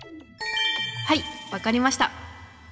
はい分かりました。